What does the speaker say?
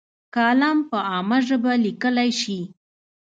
کالم په عامه ژبه لیکلی شي.